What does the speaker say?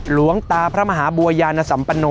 หลวงตาพระมหาบัวยานสัมปโน